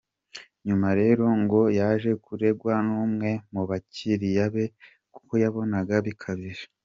Nyuma rero ngo yaje kuregwa numwe mu bakiriya be kuko yabonaga bikabije.